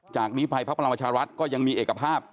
จากนี้ภัยพักพลังประชารัฐก็ยังมีเอกภาพ